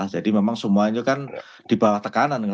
jadi memang semuanya kan di bawah tekanan